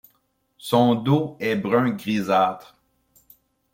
Son dos est brun grisâtre.